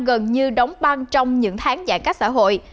gần như đóng băng trong những tháng giải các xã hội